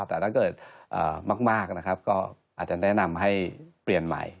แต่ถ้าเกิดมากนะครับก็อาจจะแนะนำให้เปลี่ยนใหม่